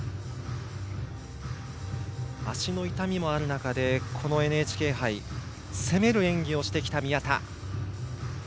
足の痛みもある中でこのＮＨＫ杯攻める演技をしてきた宮田。